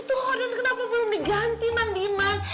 itu itu horden kenapa belum diganti man iman